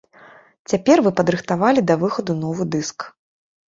Цяпер вы падрыхтавалі да выхаду новы дыск.